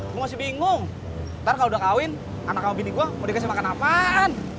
gue masih bingung ntar kalau udah kawin anak kamu gini gue mau dikasih makan apaan